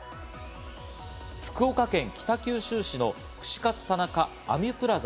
福岡県北九州市の串カツ田中アミュプラザ